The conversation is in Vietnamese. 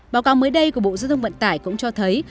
báo cáo mới đây của bộ giao thông vận tải cũng cho thấy